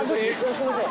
すいません。